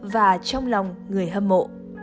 và trong lòng người hâm mộ